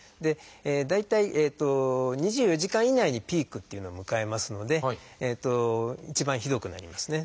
大体２４時間以内にピークっていうのを迎えますので一番ひどくなりますね。